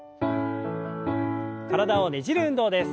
体をねじる運動です。